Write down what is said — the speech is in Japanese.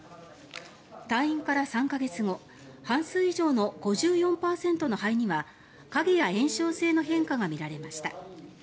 退院から３か月後半数以上の５４％の肺には影や炎症性の変化が見られました。